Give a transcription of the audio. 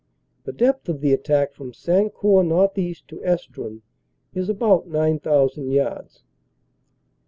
The depth of the attack from Sancourt northeast to Estrun is about 9,000 yards.